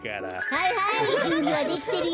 はいはいじゅんびはできてるよ。